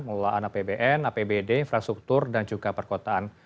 pengelolaan apbn apbd infrastruktur dan juga perkotaan